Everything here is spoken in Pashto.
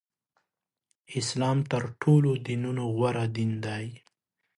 اسلام تر ټولو دینونو غوره دین دی.